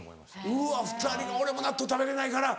うわ２人俺も納豆食べれないから。